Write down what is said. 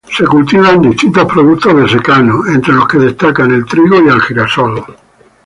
Se cultiva distintos productos de secano, entre los que destacan el trigo y girasol.